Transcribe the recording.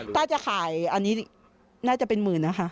ถ้าจะขายอันนี้น่าจะเป็นหมื่นนะคะ